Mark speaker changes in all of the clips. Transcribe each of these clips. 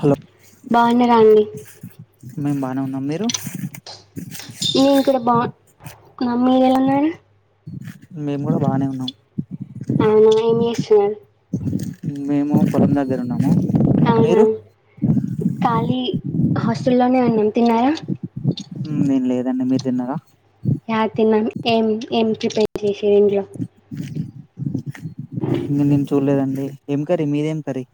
Speaker 1: Hello
Speaker 2: బాగున్నారా అండి
Speaker 1: మే మా అవునా మీరు
Speaker 2: నేను కూడ బా [unintelligible] మాములుగా ఏళ్దాంలే
Speaker 1: మేము కూడా బాగానే ఉన్నాం
Speaker 2: [unintelligible] అ ఏ చే
Speaker 1: మేము పొలం దగ్గర ఉన్నాము
Speaker 2: అవునా
Speaker 1: మీరు
Speaker 2: కాలీ హాస్టల్లోనే ఉన్నాం తిన్నారా.
Speaker 1: హ్మ్ నేను లేదండి మీరు తిన్నారా.
Speaker 2: యా తిన్నాం ఏం ఏం ప్రిపేర్ చేశిన్లు
Speaker 1: నేను ఎమ్ చూడ్లేదండి. ఎ ఏం కర్రీ మీది ఏం కర్రీ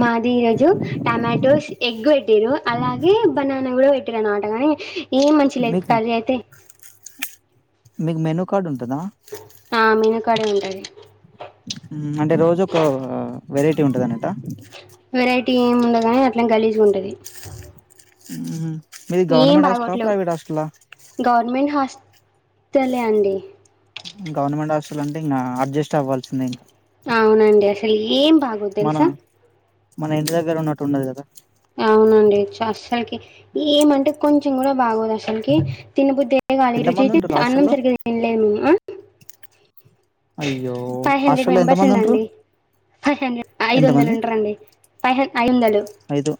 Speaker 2: మాది ఈరోజు టమాటోస్ ఎగ్ పె ట్టిర్రు అలాగే బనానా కూడా పెట్టి ర్రుఅనమాట కాని ఏం మంచిలేదు
Speaker 1: మీకు
Speaker 2: కర్రి అయితే.
Speaker 1: మీకు మెనూ కార్డు ఉంటదా.
Speaker 2: ఆ మెనూ కార్డే ఉంటది.
Speaker 1: ఉమ్ అంటే రోజు ఒక వెరైటి ఉంటదన్నట.
Speaker 2: ఏమ్ ఉన్నగాని అట్లనే గలీజ్గా ఉంటది.
Speaker 1: ఉహు.
Speaker 2: ఏం బాగోట్లేవు గవర్నమెంట్ హాస్ టలె అండి.
Speaker 1: గవర్నమెంట్ హాస్టల్ అంటే ఇంగా అడ్జస్ట్ అవవాల్సిందే ఇంకా.
Speaker 2: అవునండి అసలు ఏం బాగోదు
Speaker 1: మన
Speaker 2: తెలుసా.
Speaker 1: మన ఇంటి దగ్గర ఉన్నట్టు ఉండదు కదా.
Speaker 2: అవునండి చ అస్సల్కే, ఏమంటే కొంచెం కూడా బాగోదు అసలుకి తినబుద్ధె ఏ కాలె ఈ
Speaker 1: ఎంత
Speaker 2: రోజు
Speaker 1: మంది
Speaker 2: అయితే
Speaker 1: ఉంటారు
Speaker 2: అన్నం
Speaker 1: హాస్టల్లో
Speaker 2: సరిగ్గా తినలేము ఆ
Speaker 1: అయ్యో
Speaker 2: ఫైవ్ హండ్రెడ్
Speaker 1: హాస్టల్లో ఎంత
Speaker 2: మెంబర్స్
Speaker 1: మంది ఉంటారు
Speaker 2: ఉందండి, ఫైవ్ హండ్రెడ్ ఐదు వందలు
Speaker 1: ఎంతమంది
Speaker 2: ఉంటారుండి. ఫైవ్ ఐదొందలు.
Speaker 1: ఐదు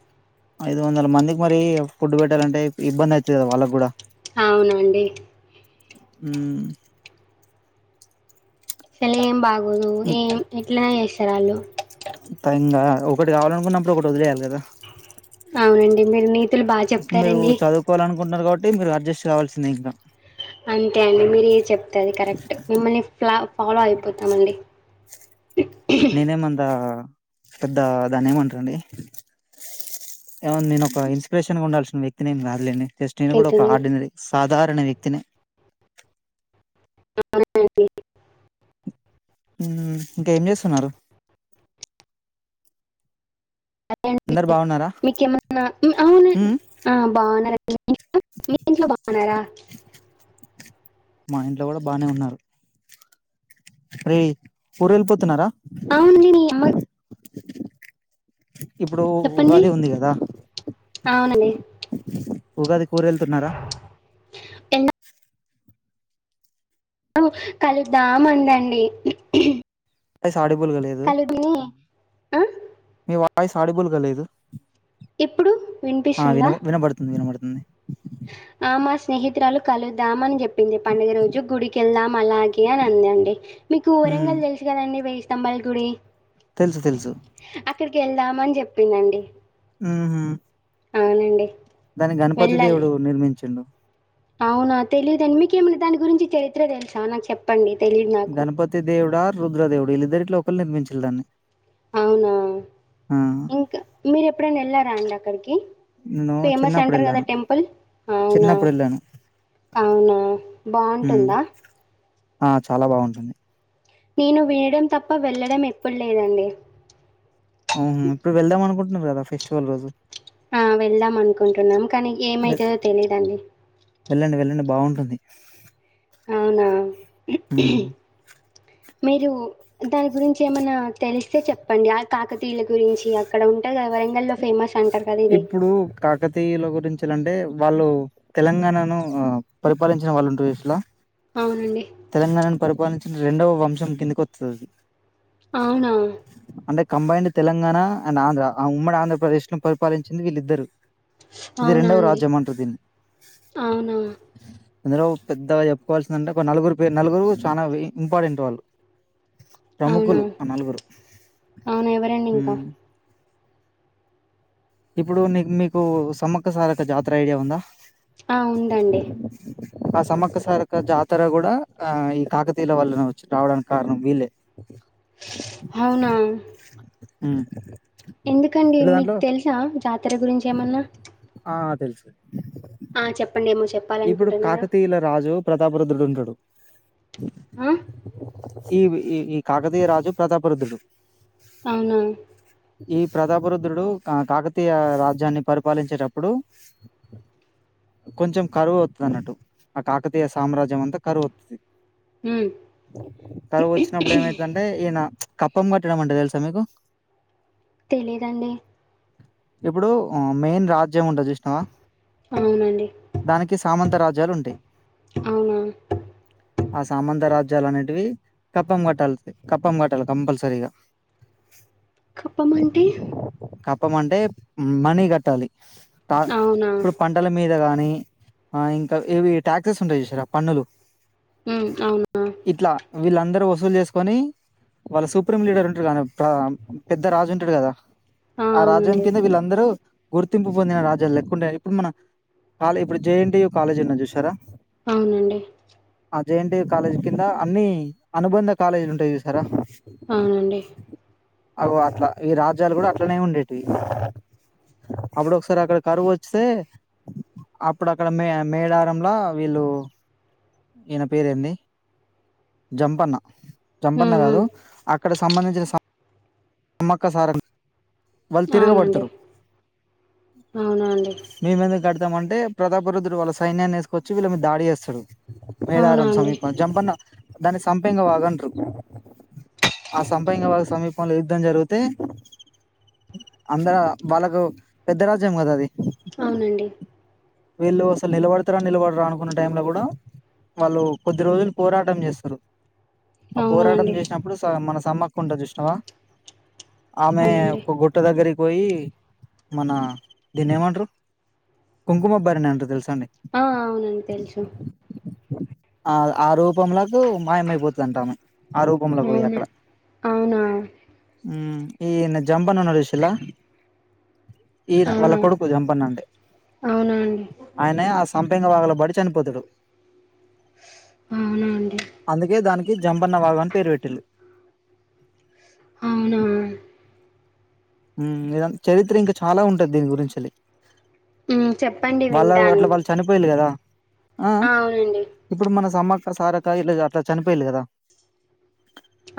Speaker 1: ఐదు వందల మందికి మరి ఫుడ్ పెట్టాలంటే ఇబ్బంది అయితది కదా వాళ్ళకి కూడా.
Speaker 2: అవునండి.
Speaker 1: ఉమ్.
Speaker 2: అస్సలెం బాగో దు ఏమ్ ఇట్లనే చేస్తారాళ్లు.
Speaker 1: పైంగా ఒకటి కావాలనుకున్నప్పుడు ఒకటి వదిలేయాలి కదా.
Speaker 2: అవునండి మీరు నీతులు బాచెప్తారండి.
Speaker 1: కుంటున్నారు కాబట్టి మీరు అడ్జస్ట్ కావాల్సిందే ఇంకా.
Speaker 2: అంతే అండి మీరు ఏ చెప్తే అది కరెక్ట్ మిమ్మల్ని ఫ్ల ఫాలో అయిపోతామండి.
Speaker 1: నేనే మంతా పెద్ద దాన్ని ఏమంటారండి ఏమ నేను ఒక ఇన్స్పిరేషన్ గా ఉండాల్సిన వ్యక్తినేమ్ కాదులేండి. జస్ట్ నేను కూడా ఒక
Speaker 2: అయితుంది.
Speaker 1: ఆర్డినరీ సాధారణ వ్యక్తినే.
Speaker 2: అవునండి.
Speaker 1: ఉమ్ ఇంకేం చేస్తున్నారు.
Speaker 2: అరే అండి
Speaker 1: అందరు బాగున్నారా
Speaker 2: మీకేమన్నా ఈ అవునండి
Speaker 1: ఉమ్
Speaker 2: ఆ బాగున్న [unintelligible] మీ ఇంట్లో బాగున్నారా.
Speaker 1: మా ఇంట్లో కూడా బానే ఉన్నారు రేయ్ ఊరెళ్ళిపోతున్నారా.
Speaker 2: అవును నేని అమ్మన్.
Speaker 1: ఇప్పుడు
Speaker 2: చెప్పండి
Speaker 1: ఉగాది ఉంది కదా.
Speaker 2: అవునండి
Speaker 1: ఉగాది ఊరెళ్తున్నారా.
Speaker 2: ఎంద కలుద్దాం ఉందండి
Speaker 1: వాయిస్ ఆడిబుల్గా లేదు
Speaker 2: ఆ
Speaker 1: మీ వాయిస్ అడిబుల్గా లేదు
Speaker 2: ఎప్పుడు వినిపిస్తుందా
Speaker 1: మ్
Speaker 2: ఆ మా స్నేహితురాలు కలుద్దాం అని చెప్పింది పండుగ రోజు గుడికెళ్దాం అలాగే అని అందండి మీకు
Speaker 1: హ్మ్
Speaker 2: వరంగల్ తెలుసు కదండి వెయ్యి తమ్మల్గుడి
Speaker 1: తెలుసు తెలుసు
Speaker 2: ఇక్కడికి వెళ్దామని చెప్పిందండి
Speaker 1: మ్ హ
Speaker 2: అవునండి
Speaker 1: దాన్ని గణపతి
Speaker 2: వెళ్ళాలి
Speaker 1: దేవుడు నిర్మించిండు
Speaker 2: అవునా తెలిదండి మీకేమనా దాని గురించి చరిత్ర తెలుసా నాకు చెప్పండి తెలీదు నాకు
Speaker 1: గణపతి దేవుడా రుద్రదేవుడా వీళ్ల ఇద్దరిట్లా [unintelligible] నిర్మించిల్ దాన్ని
Speaker 2: అవునా
Speaker 1: ఆ
Speaker 2: ఇంకా మీరు ఎప్పుడైనా వెళ్ళారా అండి అక్కడికి
Speaker 1: నేను
Speaker 2: ఫేమస్
Speaker 1: చిన్నప్పుడు
Speaker 2: అంటారు కదా
Speaker 1: వెళ్ళాను
Speaker 2: టెంపుల్ అవునా
Speaker 1: చిన్నప్పుడు వెళ్ళాను
Speaker 2: అవునా
Speaker 1: హ్మ్
Speaker 2: బాగుంటుందా
Speaker 1: ఆ చాలా బాగుంటుంది
Speaker 2: నేను వినడం తప్ప వెళ్ళడం ఎప్పుడు లేదండి
Speaker 1: అవ్ను ఇప్పుడు వెళ్దాం అనుకుంటున్నారు కదా ఫెస్టివల్ రోజు
Speaker 2: ఆ వెళ్దాం అనుకుంటున్నాం కానీ
Speaker 1: వె
Speaker 2: ఏమైతుందో తెలిదండి
Speaker 1: అది
Speaker 2: అవునా. మీరు. దాని గురించి ఏమన్నా తెలిస్తే చెప్పండి. ఆ కాకతీయుల గురించి అక్కడ ఉంటది కదా వర నల్లో ఫేమస్. అంటారు కదా ఇది
Speaker 1: ఇప్పుడు కాకతీయుల గురించి. అంటే వాళ్ళు తెలంగాణను ఆ పరిపాలించిన వాళ్ళు ఉంటుళ్ళు చూసిల్ల.
Speaker 2: అవునండి
Speaker 1: తెలంగాణను పరిపలి రెండవ వంశం కిందిక వతది,
Speaker 2: అవునా
Speaker 1: కంబైండ్ తెలంగాణ అండ్ ఆంధ్ర ఆ ఉమ్మడి ఆంధ్రప్రదేశ్ లో పరి పాలించింది వీళ్ళిద్దరు ఇది
Speaker 2: అవునా
Speaker 1: రెండవ
Speaker 2: అండి
Speaker 1: రాజ్యం అంటారు దీన్ని
Speaker 2: అవునా
Speaker 1: ఎందులో పెద్దగా చెప్పుకోవాల్సిందంటే ఒక నలుగురు పేరు నలుగురు చాలా ఇంపార్టెంట్ వాళ్ళు,
Speaker 2: అవునా
Speaker 1: ప్రముఖులు ఆ నలుగురు
Speaker 2: అవునా ఎవరండి ఇంకా,
Speaker 1: ఉమ్ ఇప్పుడు నీకు మీకు సమ్మక్క సారక జాతర ఐడియా ఉందా,
Speaker 2: ఆ ఉందండి
Speaker 1: ఆ సమక్కసారక జాతర కూడా ఆ ఈ కాకతీయుల వల్లన వచ్చు రావడానికి కారణం వీళ్లేే,
Speaker 2: అవునా
Speaker 1: ఊ
Speaker 2: ఎందుకండి మీకు తెలుసా, జాతర గురించి ఏమన్నా,
Speaker 1: ఆ తెలుసు
Speaker 2: ఆ చెప్ప
Speaker 1: ఇప్పుడు కాకతీయుల రాజు ప్రతాప రద్రుడు ఉంటాడు
Speaker 2: ఆ
Speaker 1: ఈ ఈ ఈ కాకతీయ రాజు ప్రతాపరుద్ధుడు
Speaker 2: అవునా
Speaker 1: ఈ ప్రతాప రుద్రుడు కాకతీయ రాజ్యాన్ని పరిపాలించేటప్పుడు కొంచెం, కరు వత్తాది అన్నటు ఆ కాకతీయ సమ్రాజ్యం అంత కరువు,
Speaker 2: ఉమ్
Speaker 1: కరు వచ్చినప్పుడు ఏమైతుంటే ఈయన, కప్పం పట్టడం అంటే తెలుసా మీకు
Speaker 2: తెలియదండి,
Speaker 1: ఇప్పుడు మెయిన్ రాజ్యం ఉంటది చూసినావా,
Speaker 2: అవునండి
Speaker 1: దానికి సామంత రాజ్యాలు ఉంటాయి,
Speaker 2: అవునా
Speaker 1: ఆ సామంత రాజ్యాలు అనేటివి కప్పం కట్టాలి కప్పం కట్టాలి కంపల్సరీగా
Speaker 2: మండి
Speaker 1: కప్పం అంటే మనీ కట్టాలి త
Speaker 2: అవునా
Speaker 1: ఇప్పుడు పంటల మీద కానీ నీ ఆ ఇంకా ఇవి టాక్సెస్ ఉంటాయి చూశిరా పన్నులు
Speaker 2: ఉమ్ అవునా
Speaker 1: ఇట్లా వీళ్ళందరూ వస్తు వసూలు చేసుకొని వాళ్ళ సుప్రీం లీడర్ ఉంటడు కా పెద్ద రాజు ఉంటాడు కదా ఆ రాజ్యం కింద వీళ్ళందరూ గుర్తింపు పొందిన రాజులు లెక్కుండే ఇప్పుడు మన ఇప్పుడు జేఎన్టియు కాలేజ్ ఉన్న చూసారా
Speaker 2: అవునండి
Speaker 1: ఆ జేఎన్టియు కాలేజ్ కింద అన్ని అనుబంధ కాలేజీలు ఉంటాయి చూసారా
Speaker 2: అవునండి
Speaker 1: అగో అట్లా ఈ రాజ్యాలు కూడా అట్లనే ఉండేవి అప్పుడు ఒకసారి అక్కడ కరువు వస్తే ఇప్పుడు అక్కడ మే మేడారంంలో వీళ్ళు ఈయన పేరు ఏంది జంపన్న
Speaker 2: ఉమ్
Speaker 1: జంపన్నా కాదు
Speaker 2: ఉమ్
Speaker 1: ఆక్కడ ఇక్కడ సంబంధించిన సమ్మక్క సారక్క వాళ్ళు
Speaker 2: అవునండి
Speaker 1: తిరగబడతరు
Speaker 2: అవునా అండి
Speaker 1: ఇద్దాం అంటే ప్రతాప రుద్రుడు వాళ్ళ సైన్యాన్ని వేసుకొచ్చి వీళ్ళ మీద దాడి చేస్తాడు
Speaker 2: అవునా
Speaker 1: మేదారం
Speaker 2: అండి
Speaker 1: సమీపం జంపన్న దాన్ని సంపంగ వాగ అంటారు ఆ సంపెంగ వాగు సమీపంలో యుద్ధం జరిగితే అందరు వాళ్ళకు పెద్ద రాజ్యం కదా అది
Speaker 2: అవునండి
Speaker 1: వీళ్ళు అసలు నిలబడతారా నిలబడరా అనుకున్న టైం లో కూడా వాళ్ళు కొద్ది రోజులు పోరాటం చేస్తారు ఆ
Speaker 2: అవునా
Speaker 1: పోరాటం
Speaker 2: అండి
Speaker 1: చేసినప్పుడు స మన సమ్మక్క ఉంటది చూషినావా ఆమె
Speaker 2: అవునండి
Speaker 1: ఒక గుట్ట దగ్గరికి పోయి మన దినేమంటారు కుంకుమబరిణి అంటరు తెలుసు
Speaker 2: ఆ అవునండి తెలుసు
Speaker 1: ఆ ఆ రూపంలకు మాయమయి పోతదంట ఆమె ఆ రూప
Speaker 2: అవునా అవునా
Speaker 1: ఉమ్ ఈయన జంపన్న ఉన్నడు చుషిలా ఈయన వాళ్ళ
Speaker 2: అవునా
Speaker 1: కొడుకు జంపన్న అంటె
Speaker 2: అవునా అండి
Speaker 1: ఆయనే ఆ సంపంగే వాగుల పడి చనిపోతడు
Speaker 2: అవునా అండి
Speaker 1: అందుకే దానికి జంపన్న వాగని పేరు పెట్టిలు
Speaker 2: అవునా
Speaker 1: ఇదంతా చరిత్ర ఇంకా చాలా ఉంటది దీని గురించి
Speaker 2: హ్మ్. చెప్పండి
Speaker 1: వాళ్ళ
Speaker 2: వింటాను.
Speaker 1: అట్లా వాళ్ళు చనిపోయిలు కదా ఆ ఇప్పుడు మన సమ అ సార తాగి ఇలా అట్లా చనిపోయిల్లు కదా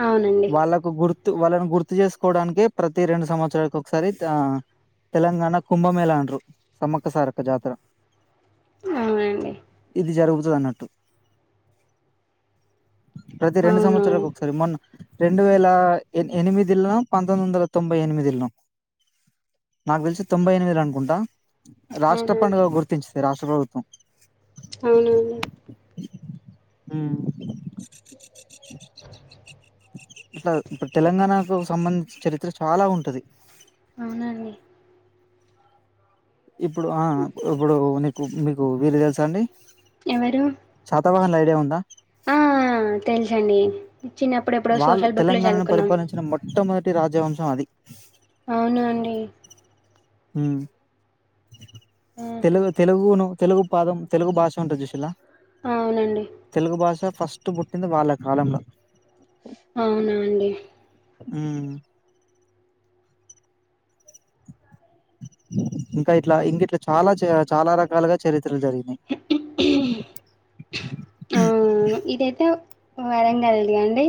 Speaker 2: అవునండి.
Speaker 1: వాళ్ళకు గుర్ ర్తు వాళ్ళని గుర్తు చేసుకోవడానికి ప్రతి రెండు సంవత్సరానికి ఒకసారి ఆ తెలంగాణ కుంభమేళ అంట్రూ సమ్మక్క సారక జాతర
Speaker 2: అవునండి
Speaker 1: ఇది జరుగుతది అన్నట్టు ప్రతి రెండు
Speaker 2: అవును.
Speaker 1: సంవత్సరలాకు ఒకసారి మొన్న రెండు వేల ఎనిమిదిలో పంతొమ్మిది వందల తొం బై ఎనిమిదిల్లో నాకు తెలిసి తొంభై ఎనిమిది ల అనుకుంటా రాష్ట్ర
Speaker 2: అవునా!
Speaker 1: పండుగగా గుర్తించి రాష్ట్ర ప్రభుత్వం
Speaker 2: అవునవును
Speaker 1: మ్ ఇట్లా ఇపుడ్ తెలంగాణకు సంబంధించిన చరిత్ర చాలా ఉంటది
Speaker 2: అవునండి.
Speaker 1: ఇప్పుడు ఆ ఇప్పుడు నీకు మీకు వీళ్ళు తెలుసా అండి
Speaker 2: ఎవరు?
Speaker 1: తవన్లూ ఐడియా ఉందా
Speaker 2: ఆ తెలుసండి చిన్నప్పుడు ఎప్పుడో
Speaker 1: వాళ్ళు
Speaker 2: సోషల్ బుక్‌లో
Speaker 1: తెలంగాణను
Speaker 2: చదువుకున్నాం.
Speaker 1: పరిపాలించిన మొట్టమొదటి రాజ్యవంశం అది
Speaker 2: అవునా అండి?
Speaker 1: హ్
Speaker 2: ఆహా!
Speaker 1: తెలుగు తెలుగును తెలుగు పాదం తెలుగు భాష ఉంటాది. జూసిల్లా
Speaker 2: అవునండి.
Speaker 1: తెలుగు భాష ఫస్ట్ స్ట్ పుట్టింది వాళ్ల కాలం ల
Speaker 2: అవునా అండి
Speaker 1: హ్ ఇంకా ఇట్లా ఇంకిట్లా చాలా చెయ్ చాలా రకాలుగా చరి త్రాలు జరిగినాయి
Speaker 2: వరంగల్ది యండి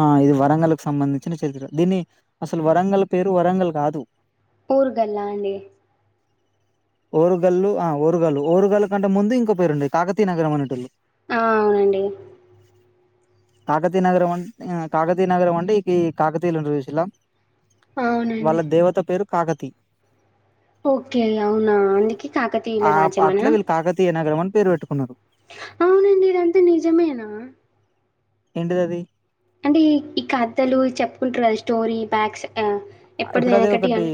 Speaker 1: ఆ ఇది వరంగల్లు కు సంబంధించిన చరిత్ర దీన్ని అసలు వరంగల్ పేరు వరంగల్ కాదు
Speaker 2: ఓరుగల్లా అండి
Speaker 1: ఓరుగల్లు ఆ ఓరుగల్లు ఓరుగాల్లు కంటే ముందు ఇంకో పేరుండే కాకతీయ నగరం అనేటోల్లు
Speaker 2: ఆ అవునండి
Speaker 1: కాకతీయా నగరం అంటే కాకతీయా నగరం అంటే ఇక కాకతీయులను జూసిల్లా
Speaker 2: అవునండి.
Speaker 1: వాళ్ళ దేవత పేరు కాకతి
Speaker 2: ఓకే అవునా అందుకే కాకతీయుల
Speaker 1: ఆ
Speaker 2: రాజ్యమనా
Speaker 1: అట్లా వీళ్ళు కాకతీయ నగరం అని పేరు పెట్టు
Speaker 2: అవునండి ఇదంతా నిజమేనా
Speaker 1: ఎంటిదది
Speaker 2: అంటే ఈ కథలు చెప్పుకుంటరు కదా స్టోరీ బ్యాక్స్ ఆహ్, ఎప్పటిది
Speaker 1: ఇప్పుడది
Speaker 2: వెనకటి
Speaker 1: ఒకటి
Speaker 2: అని.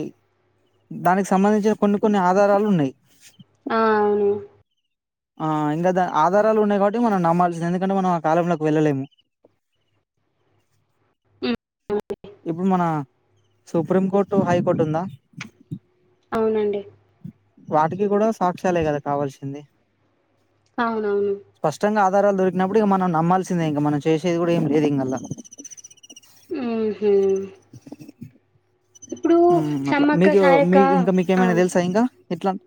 Speaker 1: దానికి సంబంధించి కొన్ని కొన్ని ఆధారాలున్నాయి
Speaker 2: ఆ అవును
Speaker 1: ఆ ఇంకా ద ఆధారాలు ఉన్నాయి కాబట్టి మనం నమ్మాల్సింది ఎందుకంటే మనం ఆ కాలంలోకి వెళ్ళలేము.
Speaker 2: హ్మ్.
Speaker 1: ఇప్పుడు మన సుప్రీం కోర్టు హై కోర్ట్ ఉందా
Speaker 2: అవునండి
Speaker 1: వాటికి కూడా సాక్ష్యాలే కదా కావల్సింది.
Speaker 2: అవునవును
Speaker 1: ఆధారాలు దొరికినప్పుడు ఇగ మనం నమ్మాల్సిందే ఇంక మనం చేసేది కూడా ఏం లేదు ఇంగల్ల
Speaker 2: ఉ హూ
Speaker 1: హు అట్లా
Speaker 2: సమ్మక్క
Speaker 1: మీకు మీకు
Speaker 2: సారక్క
Speaker 1: మీ ఇంకా మీకేమైనా తెలుసా ఇంకా ఇట్లాంటి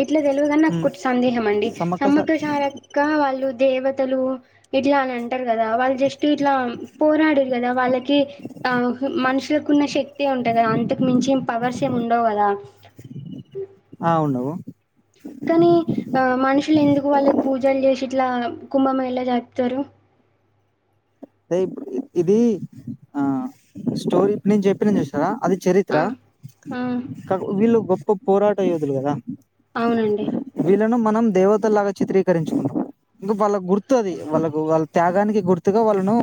Speaker 2: ఇట్లా తెలవుగాని నా కొద్ది సందేహం అండి సమ్మక్క సారక్క వాళ్ళు దేవతలు ఇట్లానం ంటరు కదా వాళ్ళు జస్ట్ ఇట్లా పోరాడిర్రు కదా వాళ్ళకి ఆ మనుషులకు ఉన్న శక్తి ఉంటది కదా అంతకు మించి పవర్స్ ఏమి ఉండవు కదా
Speaker 1: ఆ ఉండవు
Speaker 2: కనీ ఆ మనుషులెందుకు వాళ్ళకి పూజలు చేసి ట్లా కుంభమేళా జరుపుతరు
Speaker 1: అయితే ఇది ఆ స్టోరీ ఇప్పుడు నేను చెప్పిన చూస్నవా అది చరిత్ర
Speaker 2: ఆ ఆ
Speaker 1: క విలు గొప్ప ఒక పోరాట యోధులు గదా
Speaker 2: అవునండి
Speaker 1: మనం దేవతలలాగా చిత్రీకరించుకున్నాం ఇంకా వాళ్ళ గుర్తు అది వాళ్ళకు వాళ్ళ త్యాగానికి గుర్తుగా వాళ్ళ ను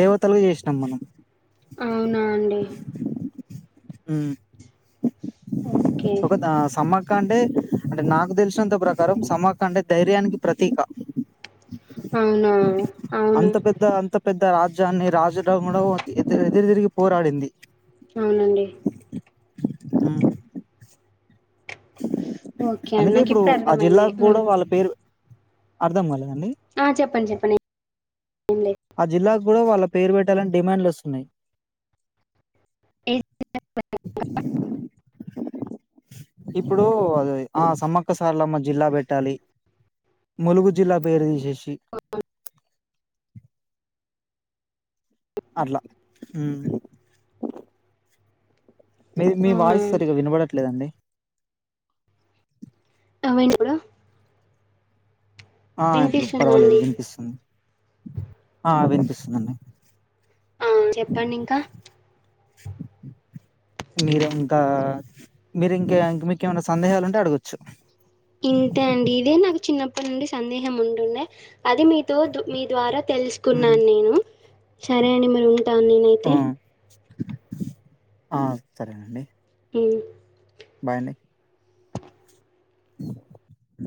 Speaker 1: దేవతలుగా చేసినాం మనం
Speaker 2: అవునాండి
Speaker 1: హ్మ్
Speaker 2: ఓకే
Speaker 1: ఒక ద సమ్మగ క్క అంటే నాకు తెలిసినంత ప్రకారం సమక్క అంటే ధైర్యానికి ప్రతీక
Speaker 2: అవునవును అవును
Speaker 1: అంత పెద్ద అంత పెద్ద రాజ్యాన్ని రాజులను గూడ ఎదురు తిరిగి పోరాడింది.
Speaker 2: అవునండి
Speaker 1: ఉమ్
Speaker 2: ఓకే అండి
Speaker 1: అందుకే
Speaker 2: నాకు
Speaker 1: ఇప్పుడు
Speaker 2: ఇప్పుడే
Speaker 1: ఆ
Speaker 2: అర్థమైంది
Speaker 1: జిల్లాకు కూడా
Speaker 2: ఉమ్.
Speaker 1: వాళ్ళ పేరు అర్ధంగాలే
Speaker 2: ఆ చెప్పండి చెప్పని
Speaker 1: ఆ జిల్లాకు గూడా వాళ్ళ పేరు పెట్టాలని డిమాండ్లు వస్తున్నయ్ [inaudible]
Speaker 2: ఏ-
Speaker 1: ఇప్పుడు ఆ సమ్మక్క సార్లమ్మ జిల్లా పెట్టాలి ములుగు జిల్లా పేరుదిసేసి అట్ల హు మీ మీ
Speaker 2: అవునా
Speaker 1: వాయిస్ సరిగా వినబడట్లేదండి
Speaker 2: అవైనడు [unintelligible]
Speaker 1: ఆ ఇప్పుడు పర్వాలేదు వినిపిస్తుంది ఆ వినిపిస్తుందిండి
Speaker 2: ఆహ్ చెప్పండి ఇంకా
Speaker 1: మీరు ఇంకా మీరు ఇంక ఇంక మీకేమైనా సందేహాలు ఉంటే అడగొచ్చు
Speaker 2: ఇంతే అండి ఇదే నాకు చిన్నప్పటి నుండి సందేహం ఉంటుండే అది మీతో మీ ద్వారా
Speaker 1: ఉమ్.
Speaker 2: తెలుసుకున్నాను నేను సరే అండి మరి ఉంటాను
Speaker 1: ఆ,
Speaker 2: నేనైతే
Speaker 1: ఆ సరేనండి.
Speaker 2: హ్మ్
Speaker 1: బాయ్ అండి [inaudible]